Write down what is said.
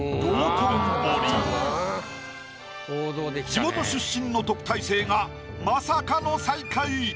地元出身の特待生がまさかの最下位。